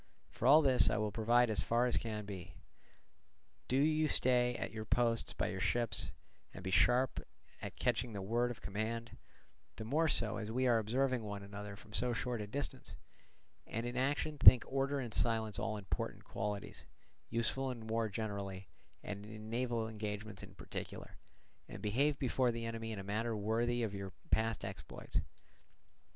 For all this I will provide as far as can be. Do you stay at your posts by your ships, and be sharp at catching the word of command, the more so as we are observing one another from so short a distance; and in action think order and silence all important—qualities useful in war generally, and in naval engagements in particular; and behave before the enemy in a manner worthy of your past exploits.